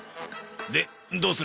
でどうする？